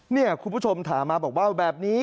นี่คุณผู้ชมถามมาบอกว่าแบบนี้